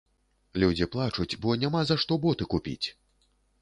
Людзі плачуць, бо няма за што боты купіць!